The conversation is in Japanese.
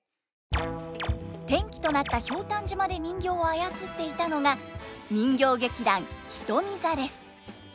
転機となった「ひょうたん島」で人形を操っていたのが人形劇団ひとみ座です。